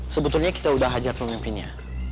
sebetulnya kita udah hajar pemimpinnya